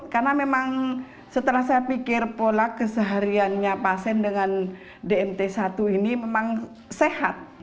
karena memang setelah saya pikir pola kesehariannya pasien dengan dmt satu ini memang sehat